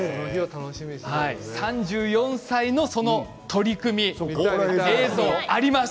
３４歳の取組映像もあります。